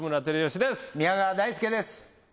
宮川大輔です。